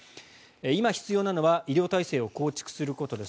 今必要なのは医療体制を構築することです。